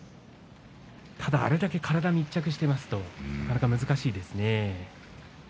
ただ、あれだけ体が密着していますとなかなか難しいですね。